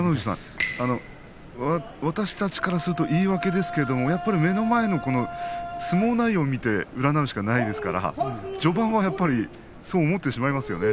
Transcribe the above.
私たちからすると言い訳だけれども目の前の相撲内容を見て占うしかないですから序盤のやっぱりそう思ってしまいますよね。